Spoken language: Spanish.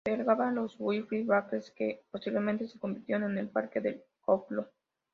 Albergaba las Whitfield Barracks, que posteriormente se convirtieron en el Parque de Kowloon.